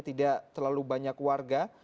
tidak terlalu banyak warga